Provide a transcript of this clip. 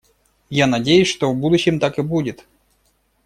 Я надеюсь, что в будущем так и будет.